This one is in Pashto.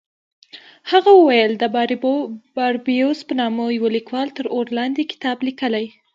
هغه وویل د باربیوس په نامه یوه لیکوال تر اور لاندې کتاب لیکلی.